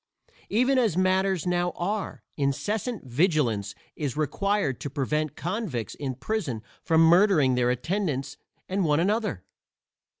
Even as matters now are, incessant vigilance is required to prevent convicts in prison from murdering their attendants and one another.